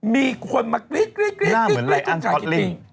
มีคนกรี๊ดมาขายรี๊ด